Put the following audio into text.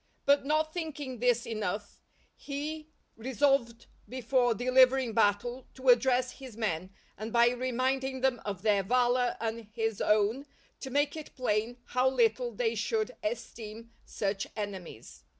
But not thinking this enough, he resolved before delivering battle to address his men, and by reminding them of their valour and his own, to make it plain how little they should esteem such enemies.